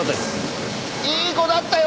いい子だったよ。